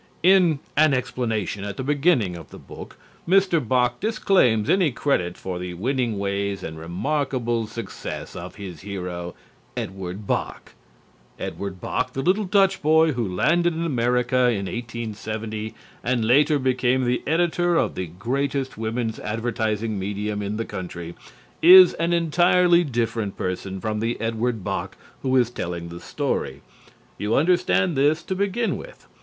In "An Explanation" at the beginning of the book Mr. Bok disclaims any credit for the winning ways and remarkable success of his hero, Edward Bok. Edward Bok, the little Dutch boy who landed in America in 1870 and later became the editor of the greatest women's advertising medium in the country, is an entirely different person from the Edward Bok who is telling the story. You understand this to begin with.